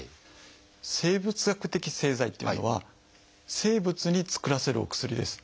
生物学的製剤っていうのは生物に作らせるお薬です。